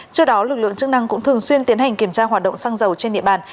trước đó lực lượng chức năng cũng thường xuyên tiến hành kiểm tra hoạt động xăng dầu trên địa bàn